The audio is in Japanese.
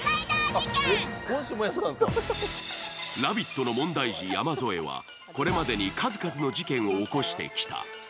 「ラヴィット！」の問題児・山添はこれまでに数々の事件を起こしてきた。